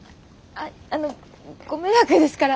あっあのご迷惑ですから。